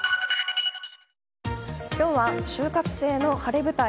今日は就活生の晴れ舞台。